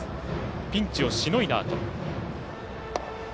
ピンチをしのいだあと。